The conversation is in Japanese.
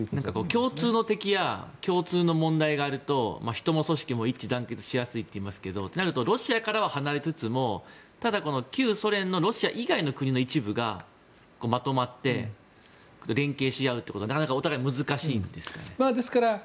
共通の敵や共通の問題があると人も組織も一致団結しやすいといいますけどロシアからは離れつつも旧ソ連のロシアの国の一部がまとまって連携しあうということはなかなかお互い難しいんですか？